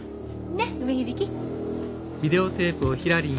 ねっ梅響？